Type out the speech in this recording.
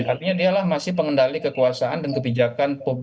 artinya dialah masih pengendali kekuasaan dan kebijakan publik